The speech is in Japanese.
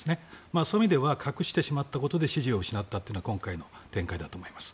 そういう意味では隠してしまったことで支持を失ったというのが今回の展開だと思います。